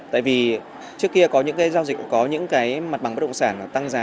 tại vì trước kia có những giao dịch có những mặt bằng bất động sản tăng giá